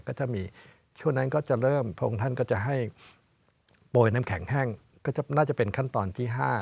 ก็จะมีช่วงนั้นก็จะเริ่มพระองค์ท่านก็จะให้โปรยน้ำแข็งแห้งก็น่าจะเป็นขั้นตอนที่๕